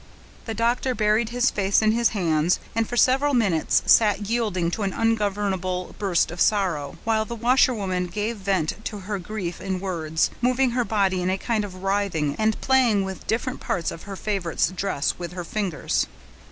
The doctor buried his face in his hands, and for several minutes sat yielding to an ungovernable burst of sorrow; while the washerwoman gave vent to her grief in words, moving her body in a kind of writhing, and playing with different parts of her favorite's dress with her fingers.